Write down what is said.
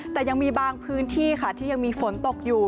แต่ยังมีบางพื้นที่ค่ะที่ยังมีฝนตกอยู่